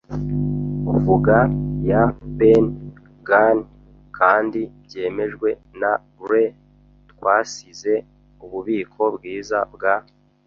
vuga, ya Ben Gunn, kandi byemejwe na Gray. Twasize ububiko bwiza bwa